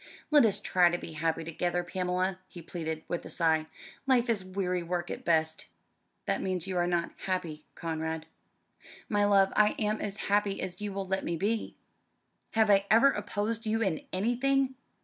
"Let us try to be happy together, Pamela," he pleaded, with a sigh, "life is weary work at best." "That means that you are not happy, Conrad." "My love, I am as happy as you will let me be." "Have I ever opposed you in anything?"